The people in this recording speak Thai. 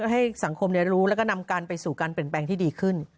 ให้สังคมรู้แล้วก็นำกันไปสู่การเปลี่ยนแปลงที่ดีขึ้น